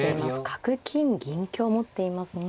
角金銀香を持っていますが。